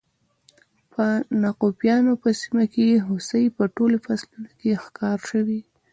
په ناتوفیانو په سیمه کې هوسۍ په ټولو فصلونو کې ښکار شوې